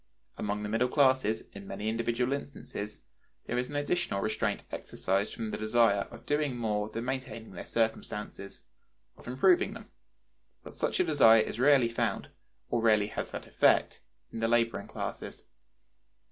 Among the middle classes, in many individual instances, there is an additional restraint exercised from the desire of doing more than maintaining their circumstances—of improving them; but such a desire is rarely found, or rarely has that effect, in the laboring classes.